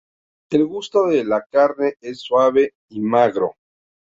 El gusto de la carne es suave y magro.